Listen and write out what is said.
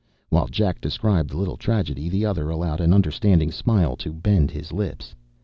While Jack described the little tragedy, the other allowed an understanding smile to bend his lips.